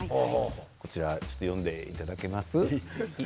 こちらちょっと読んでいただけます？